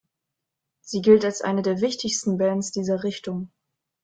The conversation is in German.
Sie gilt als eine der wichtigsten Bands dieser Richtung.